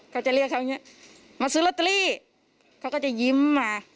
เขาจะเรียกเขาอย่างนี้มาซื้อลอตเตอรี่เขาก็จะยิ้มมา